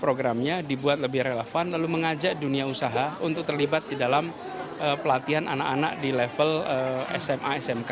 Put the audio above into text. programnya dibuat lebih relevan lalu mengajak dunia usaha untuk terlibat di dalam pelatihan anak anak di level sma smk